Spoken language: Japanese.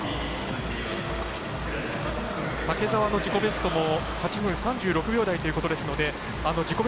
竹澤の自己ベストも８分３６秒台ということですので自己